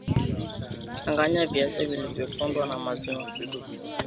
changanya viazi vilivyopondwa na maziwa